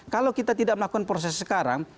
kalau kita tidak melakukan proses sekarang